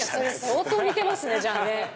相当似てますねじゃあね。